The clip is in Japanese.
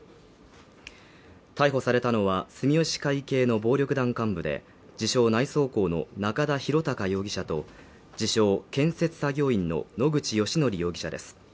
逮捕されたのは住吉会系の暴力団幹部で自称・内装工の仲田博孝容疑者と自称・建設作業員の野口義徳容疑者です